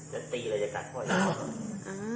จะตีแล้วจะกัดก่อน